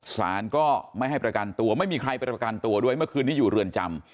สารก็ไม่ให้ประกันตัวไม่มีใครไปประกันตัวด้วยเมื่อคืนนี้อยู่เรือนจำ